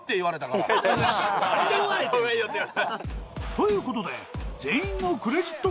［ということで］